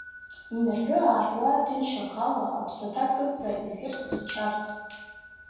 Инаҳәы-ааҳәуа, ҭынч ахала, аԥсаҭа кыдҵа, иҳәырц, ичарц.